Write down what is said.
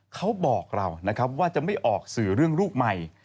เขาบอกเรานะครับว่าจะไม่ออกสื่อเรื่องรูปใหม่